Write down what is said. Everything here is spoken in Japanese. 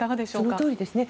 そのとおりですね。